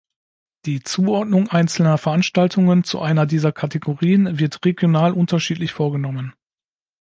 Die Zuordnung einzelner Veranstaltungen zu einer dieser Kategorien wird regional unterschiedlich vorgenommen.